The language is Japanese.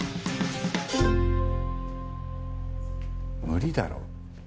無理だろ。